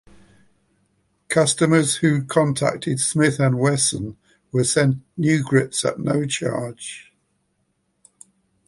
Customers who contacted Smith and Wesson were sent new grips at no charge.